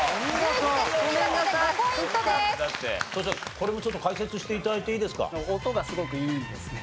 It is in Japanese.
としさんこれもちょっと解説して頂いていいですか？